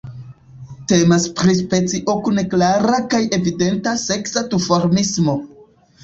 Temas pri specio kun klara kaj evidenta seksa duformismo.